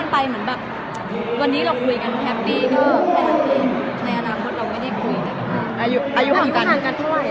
เพราะมีกัวธอมเนอะพี่ก็กลัวผู้ชายมาก